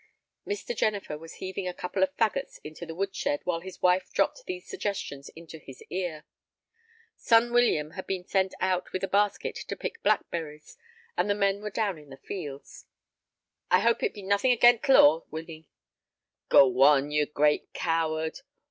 Mr. Jennifer was heaving a couple of fagots into the wood shed while his wife dropped these suggestions into his ear. Son William had been sent out with a basket to pick blackberries, and the men were down in the fields. "I hope it be nothing agen t' law, Winnie." "Go on, you great coward!"